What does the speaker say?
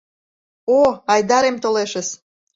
О, Айдарем толешыс.